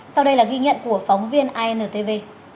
sau đây là ghi nhận của phóng viên intv